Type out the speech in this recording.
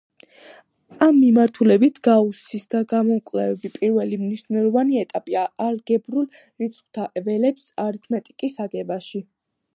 ამ მიმართულებით გაუსის გამოკვლევები პირველი მნიშვნელოვანი ეტაპია ალგებრულ რიცხვთა ველების არითმეტიკის აგებაში.